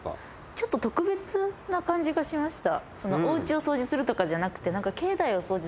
ちょっと特別な感じがしました。